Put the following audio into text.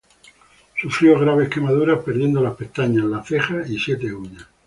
Sufrió graves quemaduras, perdiendo las pestañas, las cejas y siete uñas.